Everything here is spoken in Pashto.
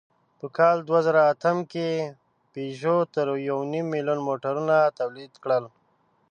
په کال دوهزرهاتم کې پيژو تر یونیم میلیونه موټرونه تولید کړل.